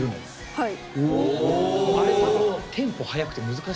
はい。